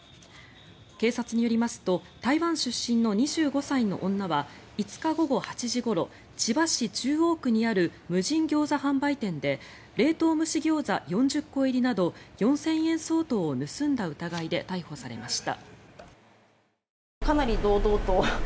警察によりますと台湾出身の２５歳の女は５日午後８時ごろ千葉市中央区にある無人ギョーザ販売店で冷凍蒸しギョーザ４０個入りなど４０００円相当を盗んだ疑いで逮捕されました。